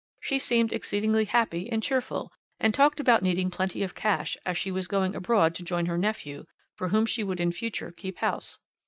She seemed exceedingly happy and cheerful, and talked about needing plenty of cash, as she was going abroad to join her nephew, for whom she would in future keep house.